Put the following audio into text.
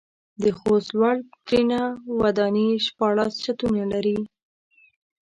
د خوست لوړ ترينه وداني شپاړس چتونه لري.